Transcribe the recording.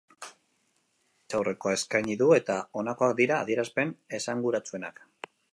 Gaur prentsaurrekoa eskaini du eta honakoak dira adierazpen esanguratsuenak.